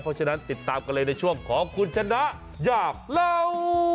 เพราะฉะนั้นติดตามกันเลยในช่วงของคุณชนะอยากเล่า